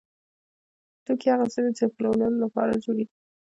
توکي هغه څه دي چې د پلورلو لپاره جوړیږي.